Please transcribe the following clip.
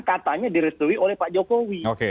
katanya di restui oleh pak jokowi oke